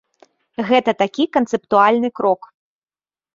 Гэта такі канцэптуальны крок.